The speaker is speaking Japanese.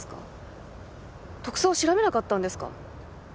特捜は調べなかったんですか？